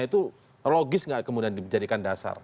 itu logis nggak kemudian dijadikan dasar